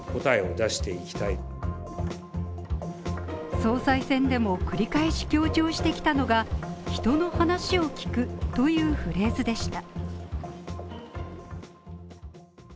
総裁選でも繰り返し強調してきたのが、人の話を聞くというフレーズでした。